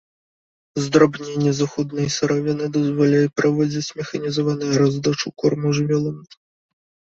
Здрабненне зыходнай сыравіны дазваляе праводзіць механізаваную раздачу корму жывёлам.